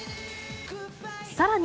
さらに、